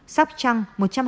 sóc trăng một trăm hai mươi hai